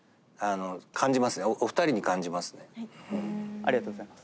ありがとうございます。